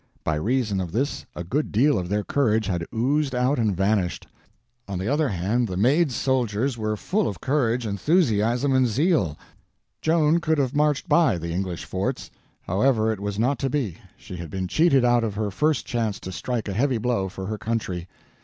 By reason of this a good deal of their courage had oozed out and vanished. On the other hand, the Maid's soldiers were full of courage, enthusiasm, and zeal. Joan could have marched by the English forts. However, it was not to be. She had been cheated out of her first chance to strike a heavy blow for her country.